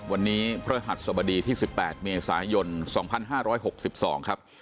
วันนี้พระหัสสบดีที่๑๘เมษายน๒๕๖๒ครับ